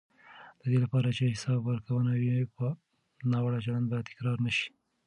د دې لپاره چې حساب ورکونه وي، ناوړه چلند به تکرار نه شي.